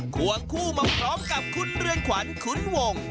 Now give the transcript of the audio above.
ควงคู่มาพร้อมกับคุณเรืองขวัญขุนวง